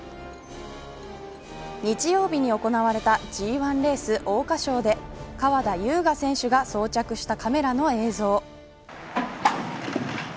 日曜日に行われたＧ１レース桜花賞で川田将雅選手が装着したカメラの映像。